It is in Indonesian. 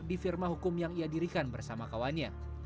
di firma hukum yang ia dirikan bersama kawannya